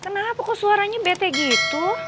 kenapa kok suaranya bete gitu